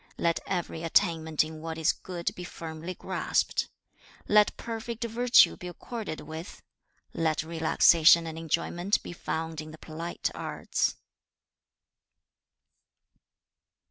2. 'Let every attainment in what is good be firmly grasped. 3. 'Let perfect virtue be accorded with. 4. 'Let relaxation and enjoyment be found in the polite arts.'